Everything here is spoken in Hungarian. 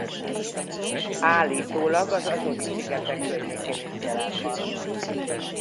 Állítólag az Azori-szigetek környékén is jelen van.